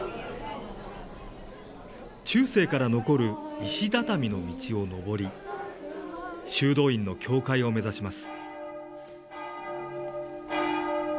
中世から残る石畳の道を上り、修道院の教会を目指します。